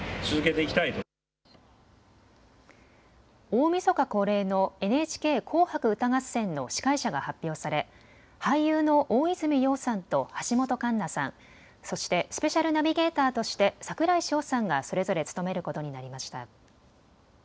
大みそか恒例のＮＨＫ紅白歌合戦の司会者が発表され俳優の大泉洋さんと橋本環奈さん、そしてスペシャルナビゲーターとして櫻井翔さんがそれぞれ務めることになりました。